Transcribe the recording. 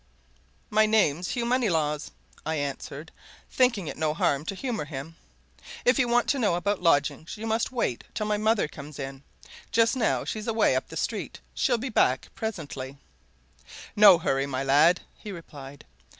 "My name's Hugh Moneylaws," I answered, thinking it no harm to humour him. "If you want to know about lodgings you must wait till my mother comes in. Just now she's away up the street she'll be back presently." "No hurry, my lad," he replied.